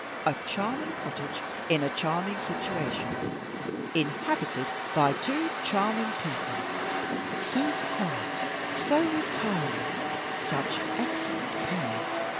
A charming cottage, in a charming situation, inhabited by two charming people so quiet, so retiring, such excellent pay.